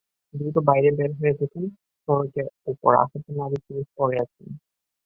দ্রুত বাইরে বের হয়ে দেখেন, সড়কের ওপর আহত নারী-পুরুষ পড়ে আছেন।